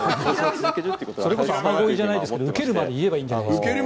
それこそ雨ごいじゃないですがウケるまで言えばいいんじゃないですか。